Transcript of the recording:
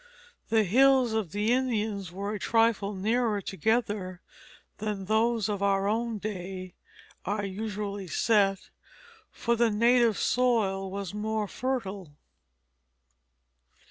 The hills of the Indians were a trifle nearer together than those of our own day are usually set, for the native soil was more fertile.